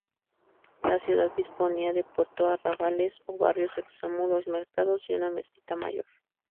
La ciudad disponía de puerto, arrabales o barrios extramuros, mercados y una mezquita mayor.